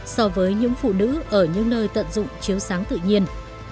so với những phụ nữ ở những nơi tận dụng chiếu sáng tự nhiên